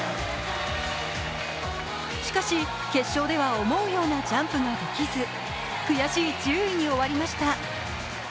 しかし、決勝では思うようなジャンプができず、悔しい１０位に終わりました。